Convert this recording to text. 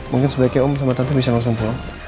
mungkin sebaiknya om sama tante bisa langsung pulang